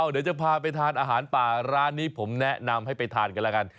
เดี๋ยวจะพาไปทานอาหารป่าร้านนี้ผมแนะนำให้ไปทานกันแล้วกัน